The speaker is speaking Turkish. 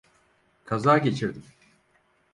Kaza geçirdim.